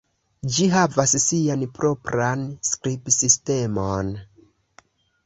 Ĝi havas sian propran skribsistemon.